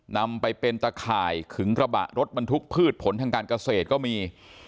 นำไปเป็นตะข่ายขึงกระบะรถบรรทุกพืชผลทางการเกษตรก็มี